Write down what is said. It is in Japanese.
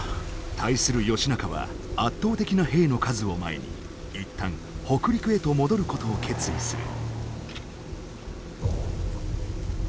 対する義仲は圧倒的な兵の数を前に一旦北陸へと戻ることを決意する。